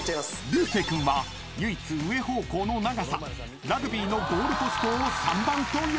［流星君は唯一上方向の長さラグビーのゴールポストを３番と予想］